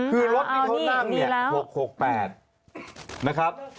คือรถที่เขานั่งเนี่ย๖๖๘นะครับ